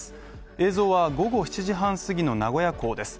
映像は午後７時半すぎの名古屋港です。